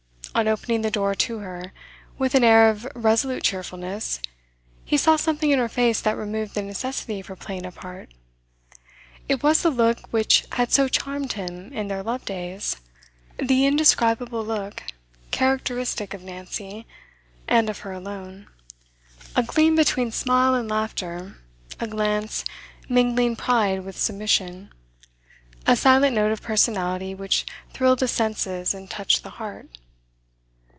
On opening the door to her, with an air of resolute cheerfulness, he saw something in her face that removed the necessity for playing a part. It was the look which had so charmed him in their love days, the indescribable look, characteristic of Nancy, and of her alone; a gleam between smile and laughter, a glance mingling pride with submission, a silent note of personality which thrilled the senses and touched the heart.